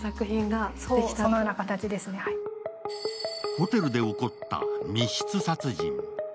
ホテルで起こった密室殺人。